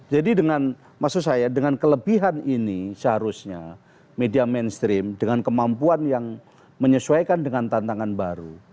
jadi dengan maksud saya dengan kelebihan ini seharusnya media mainstream dengan kemampuan yang menyesuaikan dengan tantangan baru